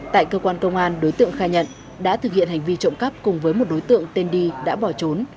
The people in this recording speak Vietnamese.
tại cơ quan công an đối tượng khai nhận đã thực hiện hành vi trộm cắp cùng với một đối tượng tên đi đã bỏ trốn